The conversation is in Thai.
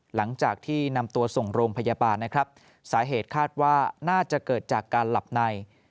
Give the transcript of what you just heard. หลังจากที่นำตัวส่งโรงพยาบาลนะครับสาเหตุคาดว่าน่าจะเกิดจากการหลับใน